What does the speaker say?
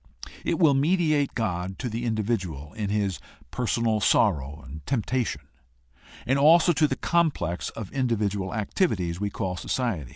It will mediate God to the individual in his personal sorrow and temptation, and also to the complex of individual activi ties we call society.